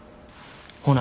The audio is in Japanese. ほな。